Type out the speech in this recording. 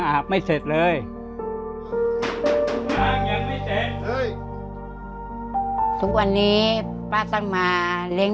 อาบไม่เสร็จเลยยังไม่เสร็จทุกวันนี้ป้าต้องมาเลี้ยง